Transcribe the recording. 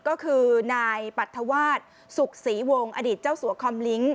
ก็คือนายปรัฐวาสสุขศรีวงศ์อดีตเจ้าสัวคอมลิ้ง